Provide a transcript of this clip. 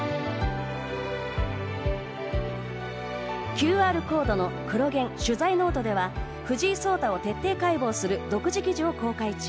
ＱＲコードのクロ現、取材ノートでは藤井聡太を徹底解剖する独自記事を公開中。